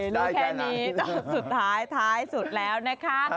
รู้แค่นี้จนสุดท้ายท้ายสุดแล้วนะคะ